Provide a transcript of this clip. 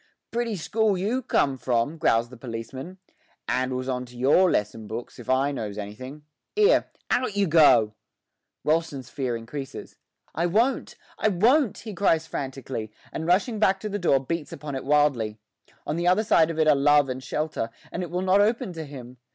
'Pretty school you come from!' growls the policeman; ''andles on to your lesson books, if I knows anything. 'Ere, out you go!' Rolleston's fear increases. 'I won't! I won't!' he cries frantically, and rushing back to the door beats upon it wildly. On the other side of it are love and shelter, and it will not open to him.